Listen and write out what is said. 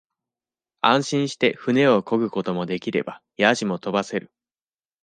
安心して舟をこぐこともできれば、やじもとばせる。